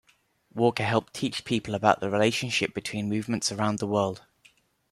Walker helped teach people about the relationship between movements around the world.